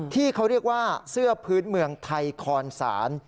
ที่เขาเรียกว่าเสื้อพื้นเมืองไทยคอนศาล